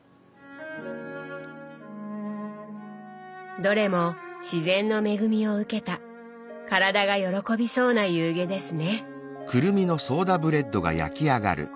どれも自然の恵みを受けた体が喜びそうな夕げですね。